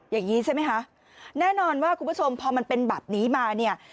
อย่างนี้ใช่ไหมคะแน่นอนว่าคุณผู้ชมพอมันเป็นแบบนี้มาเนี่ย